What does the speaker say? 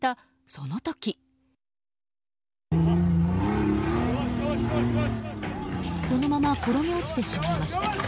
そのまま転げ落ちてしまいました。